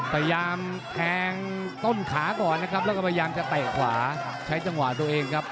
พยายามแทงต้นขาก่อนนะครับแล้วก็พยายามจะเตะขวาใช้จังหวะตัวเองครับ